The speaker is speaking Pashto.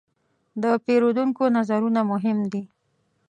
د پیرودونکو نظرونه مهم دي.